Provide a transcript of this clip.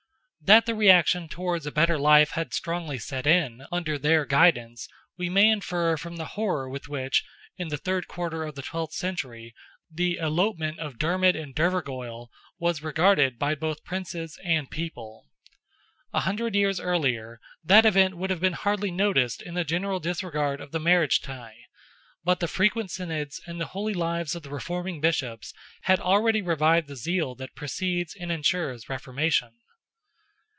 That the reaction towards a better life had strongly set in, under their guidance, we may infer from the horror with which, in the third quarter of the twelfth century, the elopement of Dermid and Dervorgoil was regarded by both Princes and People. A hundred years earlier, that event would have been hardly noticed in the general disregard of the marriage tie, but the frequent Synods, and the holy lives of the reforming Bishops, had already revived the zeal that precedes and ensures reformation.